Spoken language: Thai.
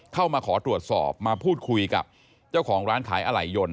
มาขอตรวจสอบมาพูดคุยกับเจ้าของร้านขายอะไหล่ยนต